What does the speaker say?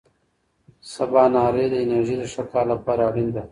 سباناري د انرژۍ د ښه کار لپاره اړینه ده.